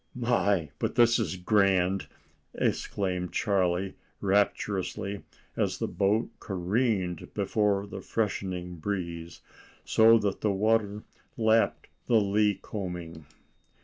"My, but this is grand!" exclaimed Charlie rapturously, as the boat careened before the freshening breeze, so that the water lapped the lee combing.